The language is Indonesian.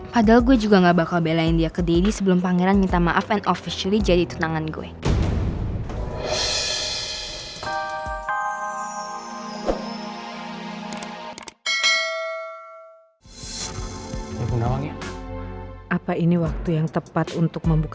padahal gue juga gak bakal belain dia ke diri sebelum pangeran minta maaf and officially jadi tenangan gue